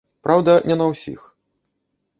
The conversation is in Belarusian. Праўда, не на ўсіх.